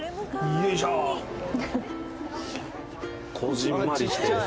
徳永：こぢんまりしてる。